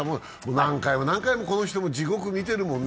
何回も何回もこの人も地獄見てるもんね。